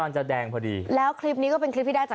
ชนกันเต็มอ่ะ